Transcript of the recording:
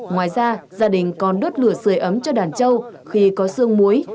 ngoài ra gia đình còn đốt lửa sười ấm cho đàn trâu khi có sương muối